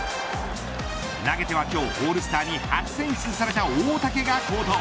投げては今日オールスターに初選出された大竹が好投。